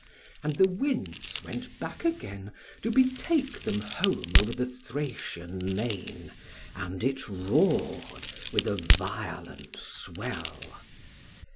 And the Winds went back again to betake them home over the Thracian main, and it roared with a violent swell.